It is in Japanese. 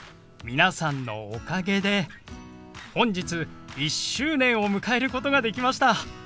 皆さんのおかげで本日１周年を迎えることができました！